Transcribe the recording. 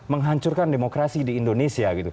menghancurkan demokrasi di indonesia